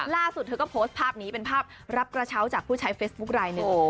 เธอก็โพสต์ภาพนี้เป็นภาพรับกระเช้าจากผู้ใช้เฟซบุ๊คลายหนึ่ง